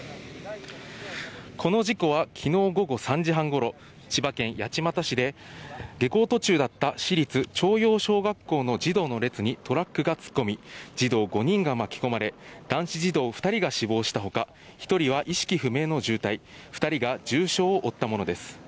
この事故は昨日午後３時半頃、千葉県八街市で下校途中だった市立朝陽小学校の児童の列にトラックが突っ込み、児童５人が巻き込まれ男子児童２人が死亡したほか、１人は意識不明の重体、２人が重傷を負ったものです。